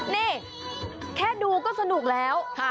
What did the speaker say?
นี่แค่ดูก็สนุกแล้ว